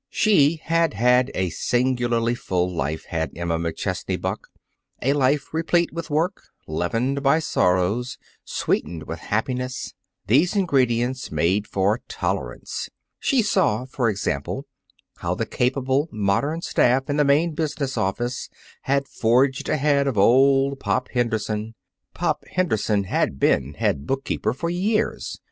She had had a singularly full life, had Emma McChesney Buck. A life replete with work, leavened by sorrows, sweetened with happiness. These ingredients make for tolerance. She saw, for example, how the capable, modern staff in the main business office had forged ahead of old Pop Henderson. Pop Henderson had been head bookkeeper for years.